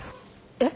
えっ？